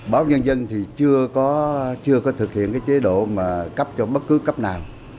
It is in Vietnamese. báo nhân dân thì chưa có thực hiện cái chế độ mà cấp cho bất cứ cấp nào